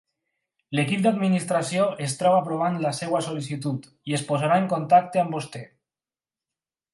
L'equip d'administració es troba aprovant la seva sol·licitud i es posarà en contacte amb vostè.